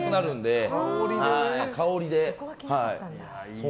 香りで。